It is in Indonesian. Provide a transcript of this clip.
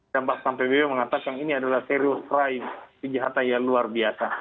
dan bahkan pbb mengatakan ini adalah serious crime kejahatan yang luar biasa